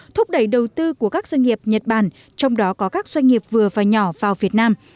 thúc đẩy đầu tư của các doanh nghiệp nhật bản trong đó có các doanh nghiệp vừa và nhỏ vào việt nam